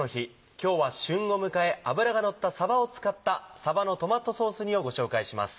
今日は旬を迎え脂がのったさばを使った「さばのトマトソース煮」をご紹介します。